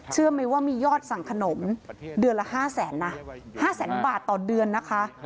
เชื่อไหมว่ามียอดสั่งขนมเดือนละ๕แสนนะ๕แสนบาทต่อเดือนนะคะ